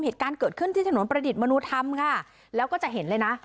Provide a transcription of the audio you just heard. เหตุการณ์เกิดขึ้นที่ถนนประดิษฐ์มนุธรรมค่ะแล้วก็จะเห็นเลยนะ